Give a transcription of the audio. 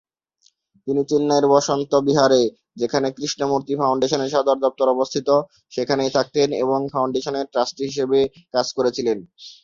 তিনি চেন্নাইয়ের বসন্ত বিহারে, যেখানে কৃষ্ণমূর্তি ফাউন্ডেশনের সদর দফতর অবস্থিত, সেখানেই থাকতেন এবং এই ফাউন্ডেশনের ট্রাস্টি হিসাবে কাজ করেছিলেন।